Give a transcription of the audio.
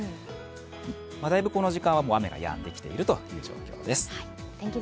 だいぶこの時間は、雨がやんできている状況です。